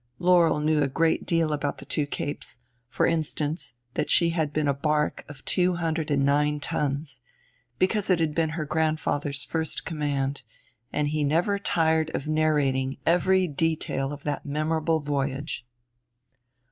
Laurel knew a great deal about the Two Capes for instance that she had been a barque of two hundred and nine tons because it had been her grandfather's first command, and he never tired of narrating every detail of that memorable voyage.